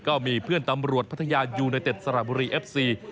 ก็มีเพื่อนตำรวจพัทยายูไนเต็ดสระบุรีเอฟซี